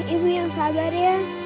ibu yang sabar ya